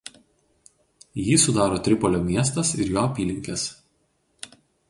Jį sudaro Tripolio miestas ir jo apylinkės.